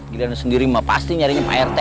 giliran sendiri mah pasti nyarinya pak rt